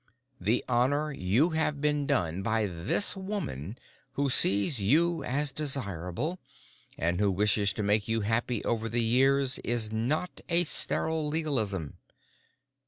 The honor you have been done by this woman who sees you as desirable and who wishes to make you happy over the years is not a sterile legalism.